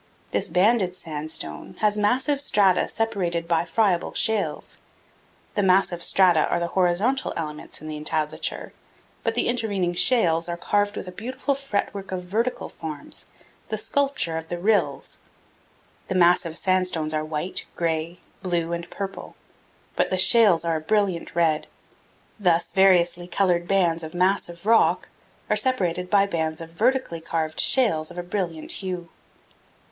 This banded sandstone has massive strata separated by friable shales. The massive strata are the horizontal elements in the entablature, but the intervening shales are carved with a beautiful fretwork of vertical forms, the sculpture of the rills. The massive sandstones are white, gray, blue, and purple, but the shales are a brilliant red; thus variously colored bands of massive rock are separated by bands of vertically carved shales of a brilliant hue.